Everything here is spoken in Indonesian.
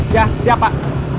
iya siap pak